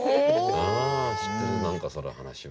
あ知ってる何かその話は。